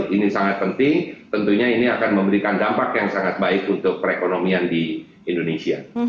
ini sangat penting tentunya ini akan memberikan dampak yang sangat baik untuk perekonomian di indonesia